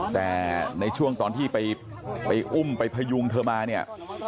แต่ในช่วงตอนที่ไปอุ้มไปพยุงเธอมาเนี่ย